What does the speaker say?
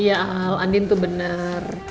iya ahal andien tuh bener